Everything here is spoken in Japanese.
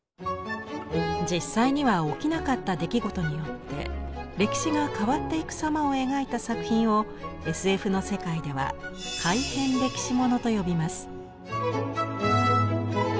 実際には起きなかった出来事によって歴史が変わっていく様を描いた作品をＳＦの世界では「改変歴史もの」と呼びます。